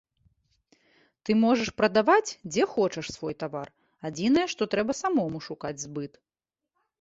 Ты можаш прадаваць, дзе хочаш, свой тавар, адзінае што трэба самому шукаць збыт.